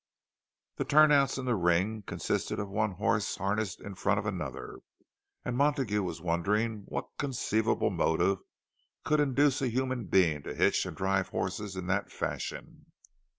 The turnouts in the ring consisted of one horse harnessed in front of another; and Montague was wondering what conceivable motive could induce a human being to hitch and drive horses in that fashion.